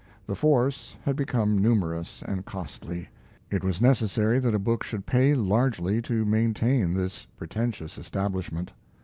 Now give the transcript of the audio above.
The force had become numerous and costly. It was necessary that a book should pay largely to maintain this pretentious establishment.